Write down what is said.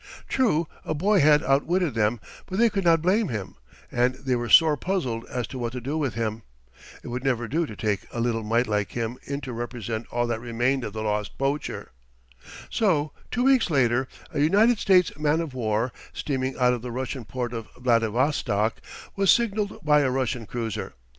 True, a boy had outwitted them; but they could not blame him, and they were sore puzzled as to what to do with him. It would never do to take a little mite like him in to represent all that remained of the lost poacher. So, two weeks later, a United States man of war, steaming out of the Russian port of Vladivostok, was signaled by a Russian cruiser.